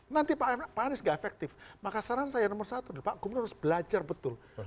nanti pak anies gak efektif maka saran saya nomor satu pak gubernur harus belajar betul